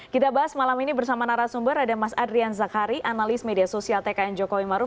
kita bahas malam ini bersama narasumber ada mas adrian zakari analis media sosial tkn jokowi maruf